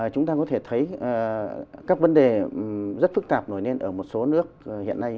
chúng ta có thể thấy các vấn đề rất phức tạp nổi lên ở một số nước hiện nay